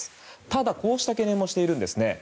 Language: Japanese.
ただ、こうした懸念もしているんですね。